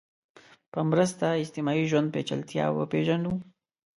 په مرسته اجتماعي ژوند پېچلتیا وپېژنو